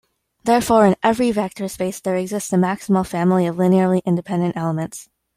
Therefore, in every vector space, there exists a maximal family of linearly independent elements.